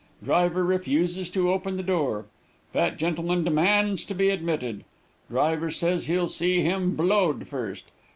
Driver refuses to open the door. Fat gentleman demands to be admitted. Driver says he'll see him blowed first.